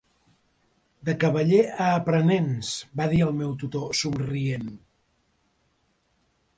"De cavaller a aprenents", va dir el meu tutor, somrient.